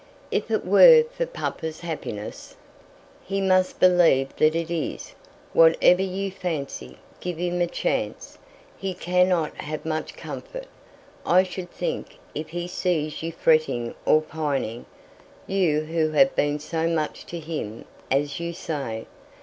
"If it were for papa's happiness " "He must believe that it is. Whatever you fancy, give him a chance. He cannot have much comfort, I should think, if he sees you fretting or pining, you who have been so much to him, as you say.